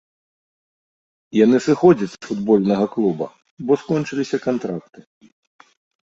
Яны сыходзяць з футбольнага клуба, бо скончыліся кантракты.